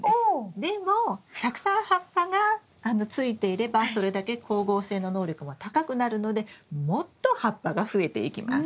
でもたくさん葉っぱがついていればそれだけ光合成の能力も高くなるのでもっと葉っぱが増えていきます。